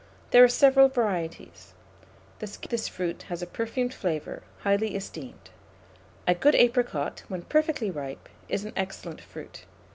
There are several varieties. The skin of this fruit has a perfumed flavour, highly esteemed. A good apricot, when perfectly ripe, is an excellent fruit.